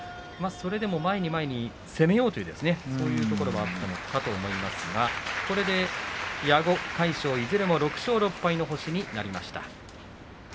それでも前に前に攻めようというそういうところがあったのかと思いますがこれで、矢後、魁勝、いずれも６勝６敗の星になりました。